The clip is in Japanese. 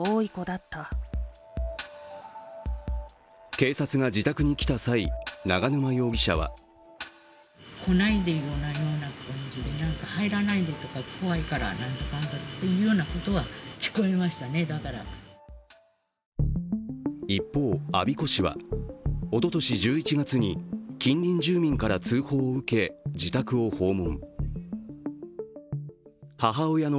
警察が自宅に来た際、永沼容疑者は一方、我孫子市は、おととし１１月に近隣住民から通報を受け、自宅を訪問。